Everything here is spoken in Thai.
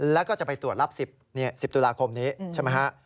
แล้วก็จะไปตรวจรับ๑๐ตุลาคมนี้ใช่ไหมฮะ